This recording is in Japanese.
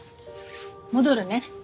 戻るね。